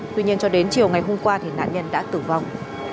tuy nhiên cho đến chiều ngày hôm qua nạn nhân đã tử vong